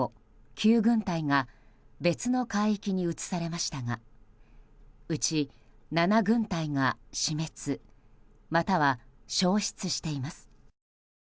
９群体が別の海域に移されましたがうち７群体が死滅または消失しています。